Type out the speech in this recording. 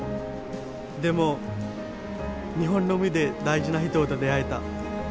でも日本の海で大事な人と出会えた。